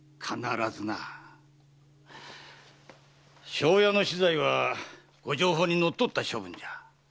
庄屋の死罪は御定法にのっとった処分じゃ。